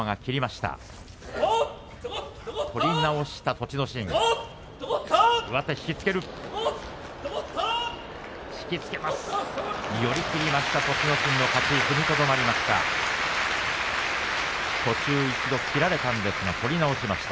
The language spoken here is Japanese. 栃ノ心、寄り切りました。